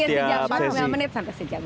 iya sejam sampai sejam